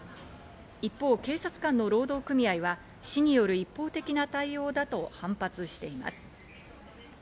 一方、警察官の労働組合は、市による一方的な対応だと反発しています。